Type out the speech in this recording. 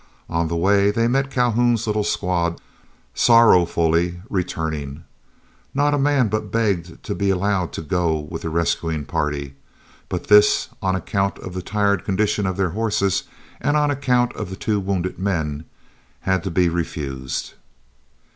On the way they met Calhoun's little squad sorrowfully returning. Not a man but begged to be allowed to go with the rescuing party, but this, on account of the tired condition of their horses, and on account of the two wounded men, had to be refused.